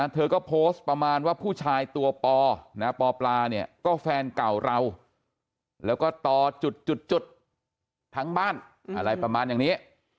เธอก็โพสต์ประมาณว่าผู้ชายตัวปอปอปลาเนี่ยก็แฟนเก่าเราแล้วก็ต่อจุดทั้งบ้านอะไรประมาณอย่างนี้